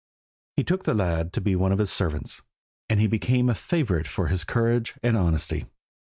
He took the lad to be one of his servants, and he became a favourite for his courage and honesty.